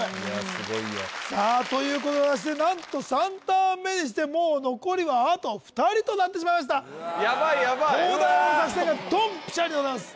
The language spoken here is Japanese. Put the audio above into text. すごいよさあということでございまして何と３ターン目にしてもう残りはあと２人となってしまいました東大王の作戦がドンピシャリでございます